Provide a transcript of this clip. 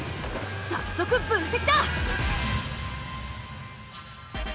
早速分析だ！